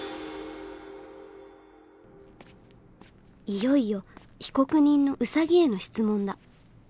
いよいよ被告人のウサギへの質問だ。